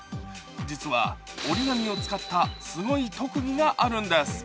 実は、折り紙を使ったすごい特技があるんです。